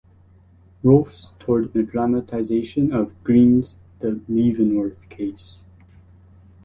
Rohlfs toured in a dramatization of Green's "The Leavenworth Case".